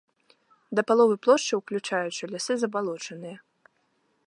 Да паловы плошчы, уключаючы, лясы забалочаныя.